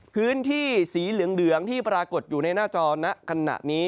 พื้นที่สีเหลืองที่ปรากฏอยู่ในหน้าจอนะขณะนี้